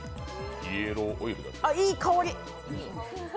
あ、いい香り。